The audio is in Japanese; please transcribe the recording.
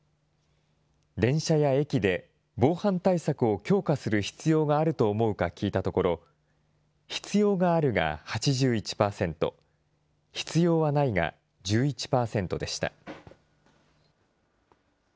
電車や駅で防犯対策を強化する必要があると思うか聞いたところ、必要があるが８１％、必要はないが１１％でした。